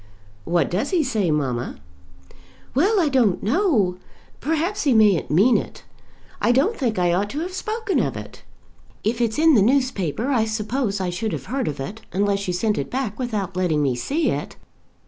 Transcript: "What does he say, mamma?" "Well, I don't know. Perhaps he mayn't mean it. I don't think I ought to have spoken of it." "If it's in the newspaper I suppose I should have heard of it, unless you sent it back without letting me see it."